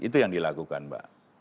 itu yang dilakukan mbak